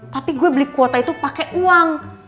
tapi gue beli kuota itu pakai uang